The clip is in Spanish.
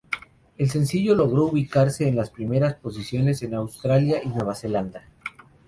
El sencillo logró ubicarse en las primeras posiciones en Australia y Nueva Zelanda.